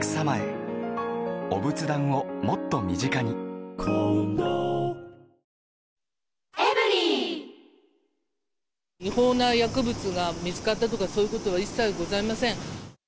白髪かくしもホーユー違法な薬物が見つかったとか、そういうことは一切ございません。